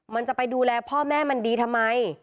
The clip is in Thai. มันจะไปดูแลพ่อแม่มันดีทำไม